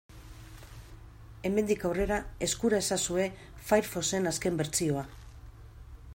Hemendik aurrera eskura ezazue Firefoxen azken bertsioa.